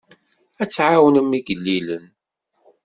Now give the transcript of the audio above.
Ad tɛawnem igellilen.